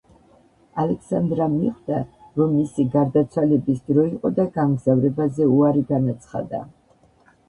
ალექსანდრა მიხვდა, რომ მისი გარდაცვალების დრო იყო და გამგზავრებაზე უარი განაცხადა.